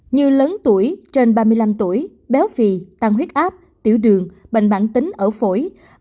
như lớn tuổi trên ba mươi năm tuổi béo phì tăng huyết áp tiểu đường bệnh bản tính ở phổi